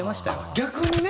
逆にね